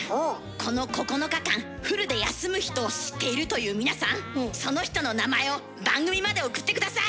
この９日間フルで休む人を知っているという皆さんその人の名前を番組まで送って下さい！